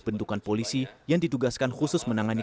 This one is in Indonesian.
bentukan polisi yang ditugaskan khusus menangani